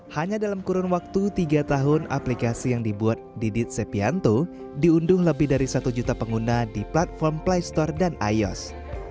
hanya dalam kurun waktu tiga tahun aplikasi yang dibuat didit sepianto diunduh lebih dari satu juta pengguna di platform play store dan ios